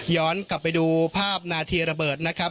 กลับไปดูภาพนาทีระเบิดนะครับ